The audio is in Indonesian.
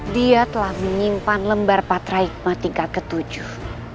dia telah menyimpan lembar patraikmat tingkat ketujuh